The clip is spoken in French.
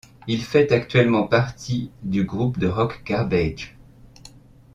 Il fait actuellement partie du groupe de rock Garbage.